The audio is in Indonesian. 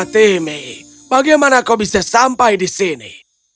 timmy bagaimana kau bisa sampai di sini